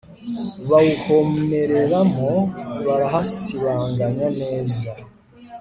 bawuhomereramo barahasibanganya neza